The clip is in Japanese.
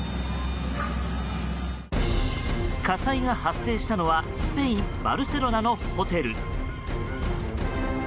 火災が発生したのはスペイン・バルセロナのホテル。